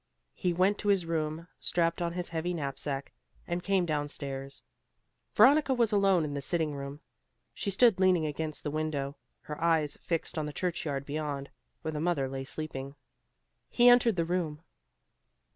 He went to his room, strapped on his heavy knap sack, and came down stairs. Veronica was alone in the sitting room. She stood leaning against the window, her eyes fixed on the church yard beyond, where the mother lay sleeping. He entered the room.